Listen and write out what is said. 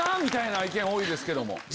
みたいな意見多いですけども。